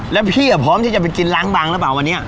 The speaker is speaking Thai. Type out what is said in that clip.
แล้วพี่พร้อมที่จะไปกินล้างบางหรือเปล่าวันนี้